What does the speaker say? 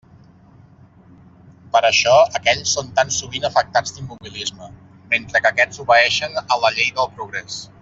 Per això aquells són tan sovint afectats d'immobilisme, mentre que aquests obeeixen a la llei del progrés.